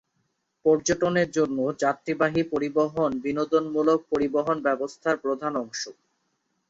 পর্যটনের জন্য যাত্রীবাহী পরিবহন বিনোদনমূলক পরিবহন ব্যবস্থার প্রধান অংশ।